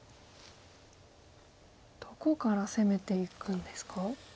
どこから攻めていくんですか？